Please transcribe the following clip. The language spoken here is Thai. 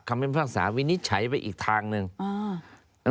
คำวิภาษาแบบนี้ใช้ไปอีกทางหนึ่งเอ้า